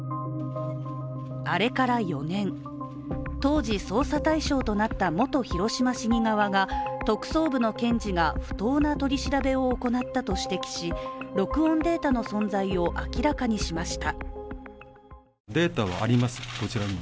あれから４年、当時捜査対象となった元広島市議側が特捜部の検事が不当な取り調べを行ったと指摘し録音データの存在を明らかにしました。